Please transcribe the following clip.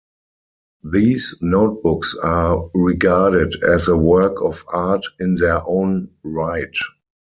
These notebooks are regarded as a work of art in their own right.